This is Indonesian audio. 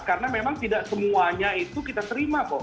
karena memang tidak semuanya itu kita terima kok